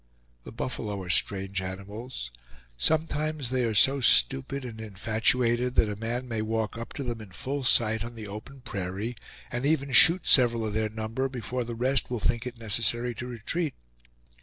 The buffalo are strange animals; sometimes they are so stupid and infatuated that a man may walk up to them in full sight on the open prairie, and even shoot several of their number before the rest will think it necessary to retreat.